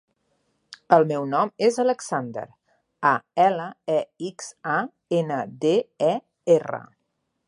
El meu nom és Alexander: a, ela, e, ics, a, ena, de, e, erra.